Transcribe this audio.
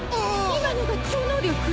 今のが超能力？